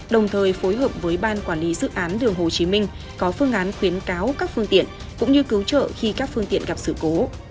đồng thời phối hợp với ban quản lý dự án đường hồ chí minh có phương án khuyến cáo các phương tiện cũng như cứu trợ khi các phương tiện gặp sự cố